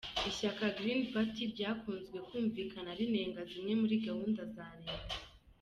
Ishyaka Green Party ryakunze kumvikane rinenga zimwe muri gahunda za Leta.